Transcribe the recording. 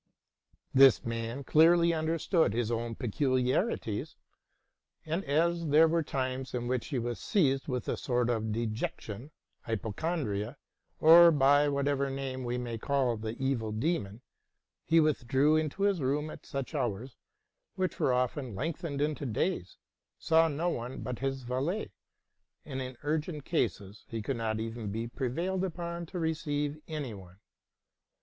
This man clearly understood his own peculiarities ; and as there were times in which he was seized with a sort of dejection, hypochondria, or by whatever name we may call the evil demon, he withdrew into his room at such hours, which were often lengthened into days, saw no one but his valet, and in urgent cases could not even be prevailed upon to receive any one.